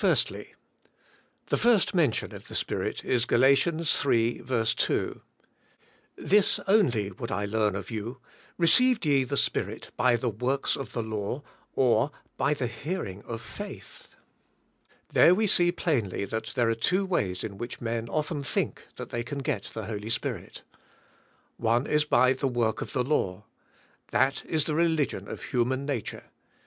The first mention of the Spirit is Gal. 3:2. *'This only would I learn of you, received ye the Spirit by the works of the law, or by the hearing of faith?" There we see plainly that there are two ways in which men often think they can get the Holy Spirit. One is by the work of the law. That is the religion of human nature.